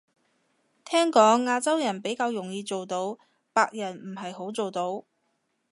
聽講亞洲人比較容易做到，白人唔係好做到